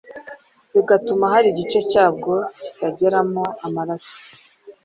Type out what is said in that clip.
bigatuma hari igice cyabwo kitageramo amaraso.